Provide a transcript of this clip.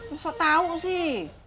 kok tau sih